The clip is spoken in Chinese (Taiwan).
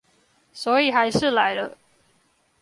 所以還是來了